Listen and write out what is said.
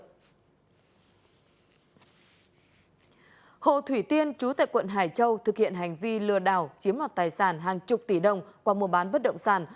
hồ thủy tiên chủ tịch quận hải châu thực hiện hành vi lừa đảo chiếm mặt tài sản hàng chục tỷ đồng qua mùa bán bất động sản